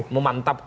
oke mas yudi